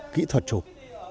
kỹ thuật chụp